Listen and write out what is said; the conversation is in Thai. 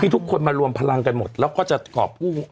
ทุกคนมารวมพลังกันหมดแล้วก็จะกรอบกู้